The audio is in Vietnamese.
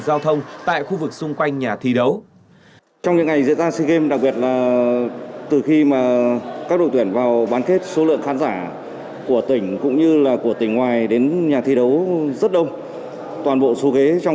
giao thông tại khu vực xung quanh nhà thi đấu